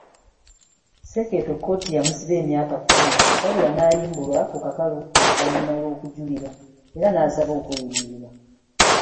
Senkeeto kkooti yamusiba emyaka kumi wabula n'ayimbulwa ku kakalu oluvannyuma lw'okujulira era n'asaba okweyimirirwa.